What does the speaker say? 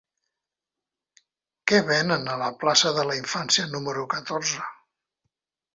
Què venen a la plaça de la Infància número catorze?